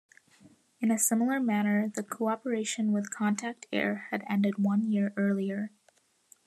In a similar manner, the cooperation with Contact Air had ended one year earlier.